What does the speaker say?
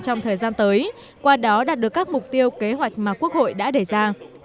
trong thời gian tới qua đó đạt được các mục tiêu kế hoạch mà quốc hội đã đề ra